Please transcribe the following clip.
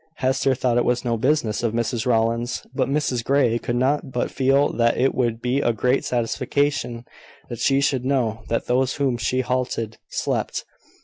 Hester thought it was no business of Mrs Rowland's; but Mrs Grey could not but feel that it would be a great satisfaction that she should know that those whom she hated, slept.